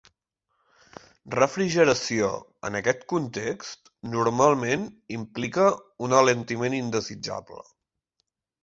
"Refrigeració" en aquest context normalment implica un alentiment indesitjable.